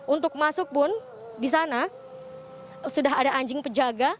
untuk masuk pun disana sudah ada anjing pejaga